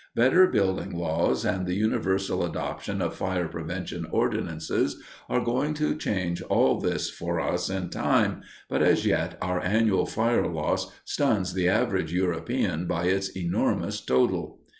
Better building laws and the universal adoption of fire prevention ordinances, are going to change all this for us, in time, but as yet our annual fire loss stuns the average European by its enormous total.